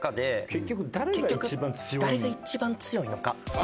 結局誰が一番強いのか？